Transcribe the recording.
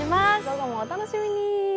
午後もお楽しみに。